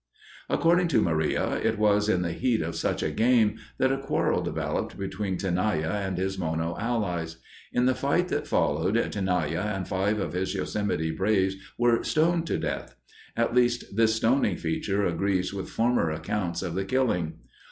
According to Maria, it was in the heat of such a game that a quarrel developed between Tenaya and his Mono allies. In the fight that followed, Tenaya and five of his Yosemite braves were stoned to death. At least, this stoning feature agrees with former accounts of the killing.